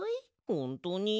ほんとに？